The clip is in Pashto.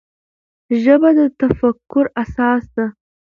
ژبه د تفکر اساس ده.